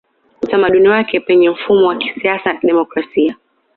Utamaduni wake Penye mfumo wa kisiasa ya demokrasia